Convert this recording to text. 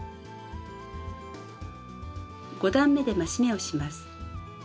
５段めで増し目をします。